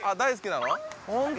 本当？